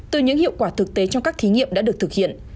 từ những hiệu quả thực tế trong các thí nghiệm đã được thực hiện